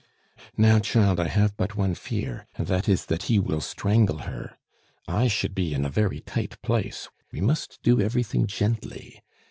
"Now, child, I have but one fear, and that is that he will strangle her! I should be in a very tight place; we must do everything gently.